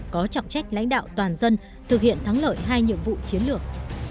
có trọng trách lãnh đạo toàn dân thực hiện thắng lợi hai nhiệm vụ chiến lược